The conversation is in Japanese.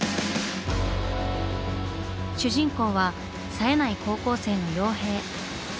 主人公はさえない高校生の洋平。